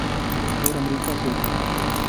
اور امریکہ سے بھی۔